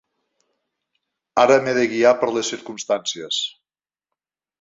Ara m'he de guiar per les circumstàncies.